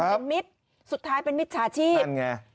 ทำเป็นมิตรสุดท้ายเป็นมิตรชาชีพนั่นไง